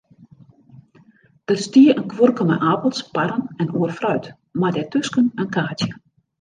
Der stie in kuorke mei apels, parren en oar fruit, mei dêrtusken in kaartsje.